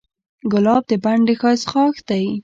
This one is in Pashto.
ګلاب د بڼ د ښایست غاښ دی.